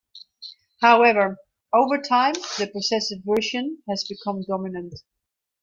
However over time the possessive version has become dominant.